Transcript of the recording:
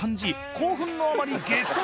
興奮のあまり激突！